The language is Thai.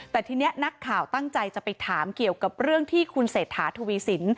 แต่ทีนี้นักข่าวต้องคั้ยจะไปถามเกี่ยวกับคุณเศษฐาทุวีสิน